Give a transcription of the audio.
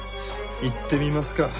行ってみますか。